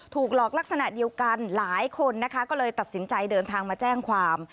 ถูกหลอกลักษณะเดียวกันหลายคนนะคะก็เลยตัดสินใจเดินทางมาแจ้งความ